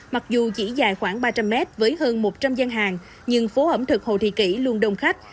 mặc dù chỉ dài khoảng ba trăm linh mét với hơn một trăm linh gian hàng nhưng phố ẩm thực hồ thị kỷ luôn đông khách